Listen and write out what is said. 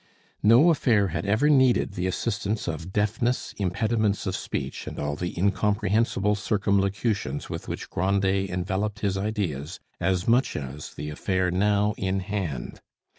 No affair had ever needed the assistance of deafness, impediments of speech, and all the incomprehensible circumlocutions with which Grandet enveloped his ideas, as much as the affair now in hand.